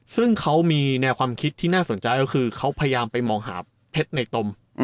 ซึ่งเขามีแนวความคิดที่น่าสนใจก็คือเขาพยายามไปมองหาเพชรในตม